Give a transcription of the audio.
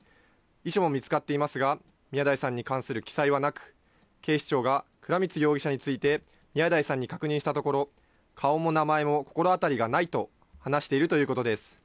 遺書も見つかっていますが、宮台さんに関する記載はなく、警視庁が倉光容疑者について、宮台さんに確認したところ、顔も名前も心当たりがないと、話しているということです。